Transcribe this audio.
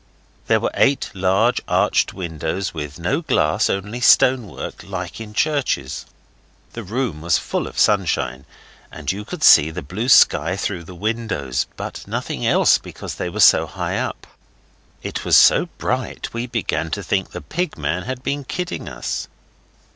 There were eight large arched windows with no glass, only stone work, like in churches. The room was full of sunshine, and you could see the blue sky through the windows, but nothing else, because they were so high up. It was so bright we began to think the pig man had been kidding us.